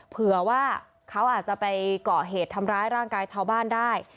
เผื่อว่าเขาอาจจะไปเกาะเหตุทำร้ายร่างกายชาวบ้านได้